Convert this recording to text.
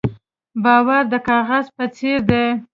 باور د کاغذ په څېر دی.